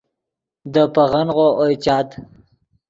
دے پیغنغو اوئے چاد